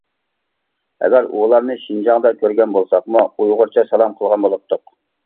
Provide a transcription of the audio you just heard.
ئەگەر ئۇلارنى شىنجاڭدا كۆرگەن بولساقمۇ ئۇيغۇرچە سالام قىلغان بولاتتۇق.